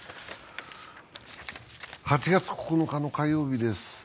８月９日の火曜日です。